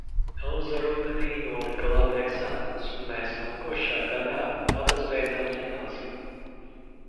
Elza rudenī nolika labi eksāmenus un mēs nākošā gadā abas beidzām ģimnāziju.